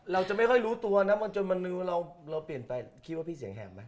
เราจะไม่ค่อยรู้ตัวนะจนวันหนึ่งเราเปลี่ยนไปคิดว่าพี่เสียงแหบไหม